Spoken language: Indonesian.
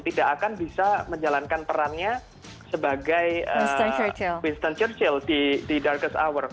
tidak akan bisa menjalankan perannya sebagai wiston churchill di darges hour